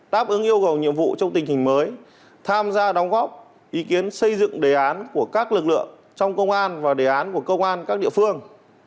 đáp ứng yêu cầu nhiệm vụ trong tình hình mới tham gia đóng góp ý kiến xây dựng đề án của các lực lượng trong công an và đề án của công an các địa phương